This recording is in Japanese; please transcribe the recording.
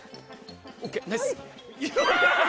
ＯＫナイス。